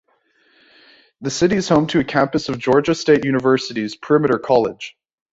The city is home to a campus of Georgia State Universities Perimeter College.